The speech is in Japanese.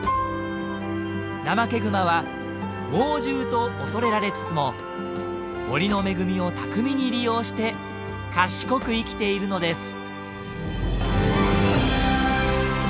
ナマケグマは猛獣と恐れられつつも森の恵みを巧みに利用して賢く生きているのです。